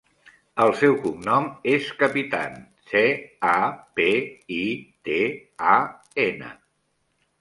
El seu cognom és Capitan: ce, a, pe, i, te, a, ena.